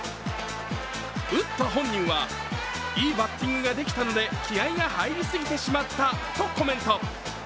打った本人はいいバッティングができたので気合いが入りすぎてしまったとコメント。